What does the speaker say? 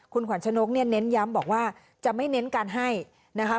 คุณขวัญชนกเนี่ยเน้นย้ำบอกว่าจะไม่เน้นการให้นะคะ